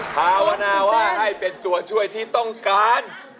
ภาวนาว่าให้เป็นตัวช่วยที่ต้องการ